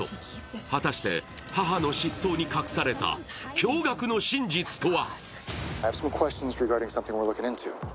果たして、母の失踪に隠された驚がくの真実とは？